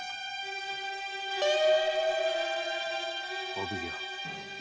・お奉行。